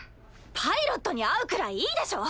パイロットに会うくらいいいでしょ！